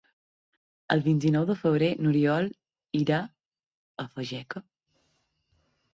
El vint-i-nou de febrer n'Oriol irà a Fageca.